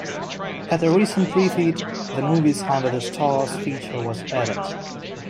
At a recent refit, the "Movies under the Stars" feature was added.